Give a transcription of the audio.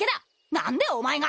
何でお前が！